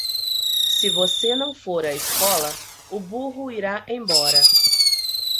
Se você não for à escola, o burro irá embora.